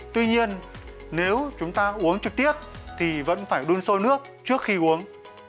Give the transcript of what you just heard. tuy nhiên nếu chúng ta uống trực tiếp thì vẫn phải đun sôi nước trước khi uống